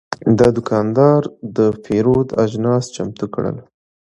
دا دوکاندار د پیرود اجناس چمتو کړل.